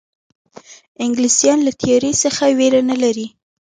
انګلیسیان له تېري څخه وېره نه لري.